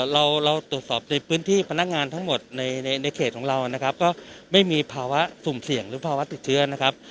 เราตรวจสอบในพื้นที่พนักงานทั้งหมดในเขตของเรานะครับก็ไม่มีภาวะสุ่มเสี่ยงหรือภาวะติดเชื้อนะครับ